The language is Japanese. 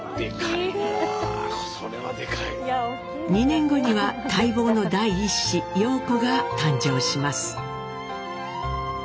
２年後には待望の第１子陽子が誕生します。